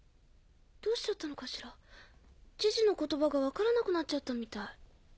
どうしちゃったのかしらジジの言葉が分からなくなっちゃったみたい。